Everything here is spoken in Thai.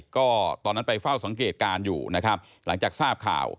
ก็ตอนนั้นไปเฝ้าสังเกตการณ์อยู่นะครับหลังจากทราบข่าว